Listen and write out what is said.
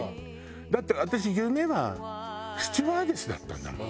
だって私夢はスチュワーデスだったんだもん。